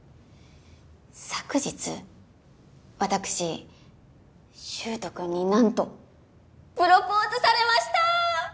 昨日私柊人君に何とプロポーズされました！